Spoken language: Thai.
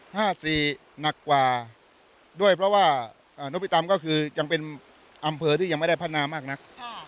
หนักกว่าด้วยเพราะว่านพิตำก็คือยังเป็นอำเภอที่ยังไม่ได้พัฒนามากนัก